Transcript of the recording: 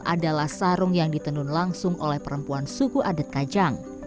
adalah sarung yang ditenun langsung oleh perempuan suku adat kajang